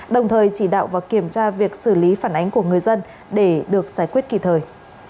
đồng thời chỉ đạo và kiểm tra việc xử lý phản ánh của người dân để được giải quyết kịp thời